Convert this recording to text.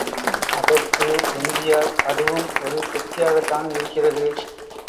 அதற்கு எம்.ஜி.ஆர். அதுவும் ஒரு செக்ஸியாகத் தானே இருக்கிறது.